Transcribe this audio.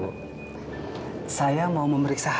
kayaknya stump yang salah